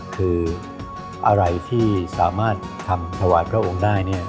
คืออะไรที่สามารถทำถวายพระองค์ได้เนี่ย